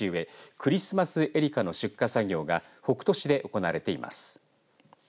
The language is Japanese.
クリスマス絵梨花の出荷作業が北杜市で行われています。